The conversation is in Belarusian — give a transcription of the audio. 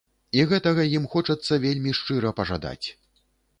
І гэтага ім хочацца вельмі шчыра пажадаць.